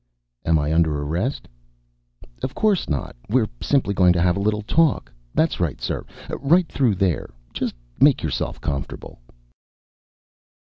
"Am I under arrest?" "Of course not. We're simply going to have a little talk. That's right, sir, right through there. Just make yourself comfortable."